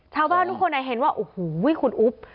เช้าบ้านุ่นคนไหนเห็นว่าอูหูคุณอุ๊บ